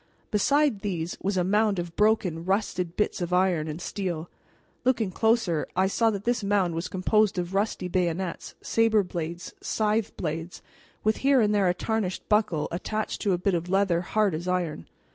Beside these was a mound of broken, rusted bits of iron and steel. Looking closer, I saw that this mound was composed of rusty bayonets, saber blades, scythe blades, with here and there a tarnished buckle attached to a bit of leather hard as iron.